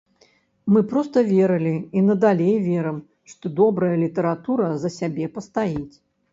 Мы проста верылі і надалей верым, што добрая літаратура за сябе пастаіць.